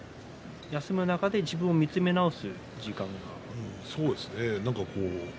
休みの中で自分を見つめ直す時間が？